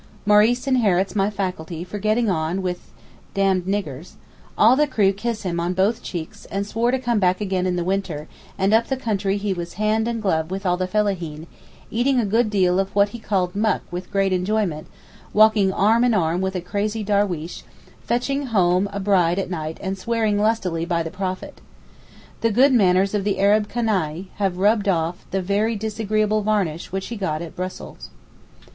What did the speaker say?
Maurice inherits my faculty for getting on with 'd d niggers'; all the crew kissed him on both cheeks and swore to come back again in the winter; and up the country he was hand and glove with all the fellaheen, eating a good deal of what he called 'muck' with great enjoyment, walking arm in arm with a crazy derweesh, fetching home a bride at night and swearing lustily by the Prophet. The good manners of the Arab canaille, have rubbed off the very disagreeable varnish which he got at Brussels.